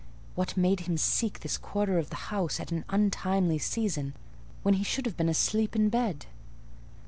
What made him seek this quarter of the house at an untimely season, when he should have been asleep in bed?